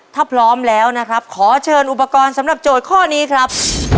ถ้าพร้อมแล้วนะครับขอเชิญอุปกรณ์สำหรับโจทย์ข้อนี้ครับ